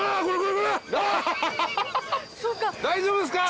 大丈夫ですか？